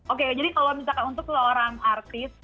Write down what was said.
oke jadi kalau misalkan untuk seorang artis